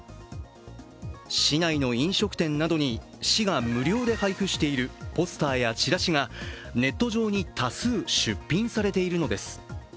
市内の飲食店などに市が無料で配布しているポスターやチラシがネット上に多数出品されているのです。